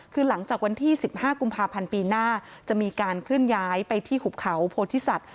คือหลังจากวันที่๑๕กุมภาพันธ์ปีหน้าจะมีการเคลื่อนย้ายไปที่หุบเขาโพธิสัตว